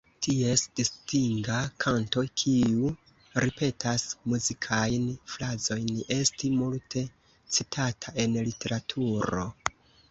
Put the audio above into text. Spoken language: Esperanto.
Ties distinga kanto, kiu ripetas muzikajn frazojn, estis multe citata en literaturo.